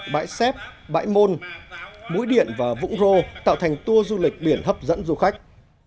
bãi xếp bãi môn mũi điện và vũng rô tạo thành tour du lịch biển hấp dẫn du khách